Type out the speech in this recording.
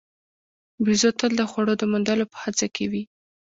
بیزو تل د خوړو د موندلو په هڅه کې وي.